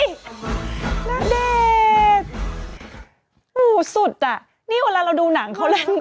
ณเดชน์สุดอ่ะนี่เวลาเราดูหนังเขาเล่น